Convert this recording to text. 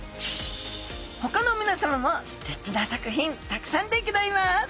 ほかのみなさまもステキな作品たくさんでギョざいます。